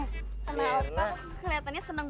tapi pas melihat mirna abang jadi senang